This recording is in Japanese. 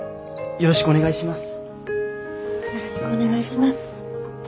よろしくお願いします。